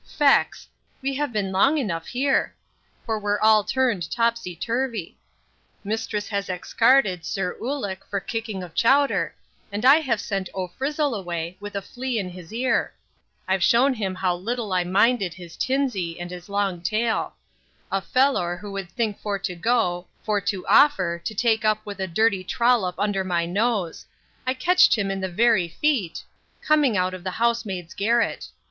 Fecks! we have been long enough here; for we're all turned tipsy turvy Mistress has excarded Sir Ulic for kicking of Chowder; and I have sent O Frizzle away, with a flea in his ear I've shewn him how little I minded his tinsy and his long tail A fellor, who would think for to go, for to offer, to take up with a dirty trollop under my nose I ketched him in the very feet, coming out of the housemaids garret.